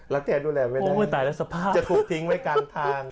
รักแทนดูแลไม่ได้โอ้โหตายแล้วสภาพจะถูกทิ้งไว้กันทาน